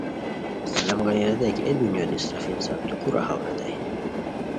سلامو گانی ریتائے کی اے دنیوتے اسراف انسان تو کورا ہاؤ؟ ریتائے